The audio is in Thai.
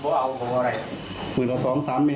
๑วันละ๒๓เมตรไม่เอาห่วงอะไร